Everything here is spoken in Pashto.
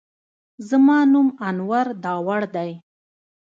زما نوم انور داوړ دی